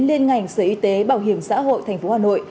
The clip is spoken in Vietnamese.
liên ngành sở y tế bảo hiểm xã hội tp hà nội